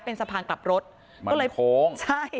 เป็นสะพานกลับรถมันโค้ง